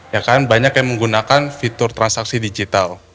ya kan banyak yang menggunakan fitur transaksi digital